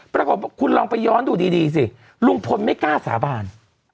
ปรากฏว่าคุณลองไปย้อนดูดีสิลุงพลไม่กล้าสาบาน